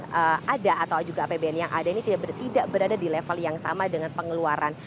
di mana saat ini apbd yang ada atau juga apbn yang ada ini tidak berada di level yang sama dengan pengeluaran